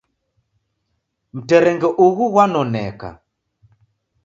Mterengo ughu ghwanoneka